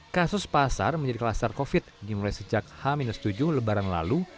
kasus pasar menjadi kluster covid dimulai sejak h tujuh lebaran lalu